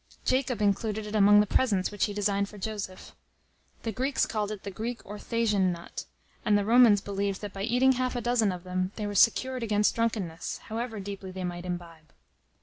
Jacob included it among the presents which he designed for Joseph. The Greeks called it the Greek or Thasian nut, and the Romans believed that by eating half a dozen of them, they were secured against drunkenness, however deeply they might imbibe.